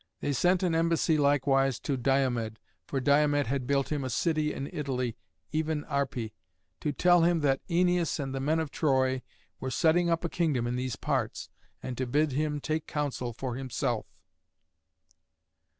They sent an embassy likewise to Diomed (for Diomed had built him a city in Italy, even Arpi), to tell him that Æneas and the men of Troy were setting up a kingdom in these parts, and to bid him take counsel for himself.